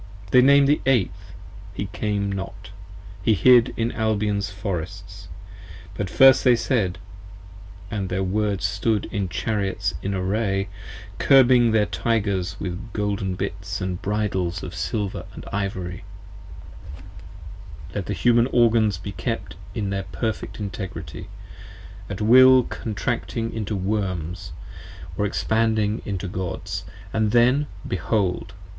They nam'd the Eighth, he came not, he hid in Albion's Forests. But first they said: (& their Words stood in Chariots in array, 35 Curbing their Tygers with golden bits & bridles of silver & ivory) Let the Human Organs be kept in their perfect Integrity, At will Contracting into Worms, or Expanding into Gods, And then, behold!